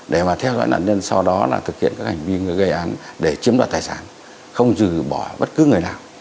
để mà theo dõi nạn nhân sau đó là thực hiện các hành vi gây án để chiếm đoạt tài sản không dừ bỏ bất cứ người nào